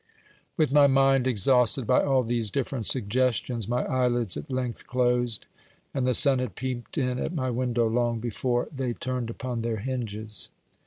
With my mind exhausted by all these different suggestions, my eyelids at length closed, and the sun had peeped in at my window long before they turned upon their hinges.